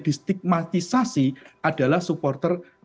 distigmatisasi adalah supporter supporter